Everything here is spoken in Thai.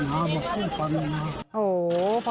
มีคุณหมอบบอกปัญหาเป็นไรบ้างอย่างไร